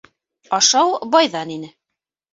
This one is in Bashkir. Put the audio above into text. — Ашау байҙан ине.